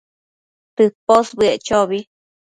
tëposbëec chobi